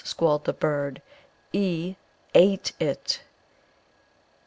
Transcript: squalled the bird. "'E' ate it...."